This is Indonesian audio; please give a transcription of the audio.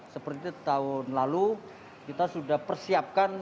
seperti tahun lalu kita sudah persiapkan